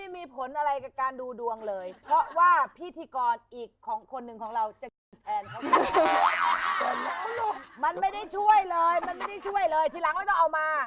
มันไม่ได้ช่วยเลยทีหลังไม่ต้องเอามา